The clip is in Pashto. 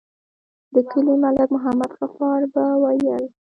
د کلي ملک محمد غفار به ويل.